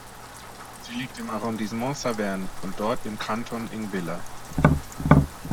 Sie liegt im Arrondissement Saverne und dort im Kanton Ingwiller.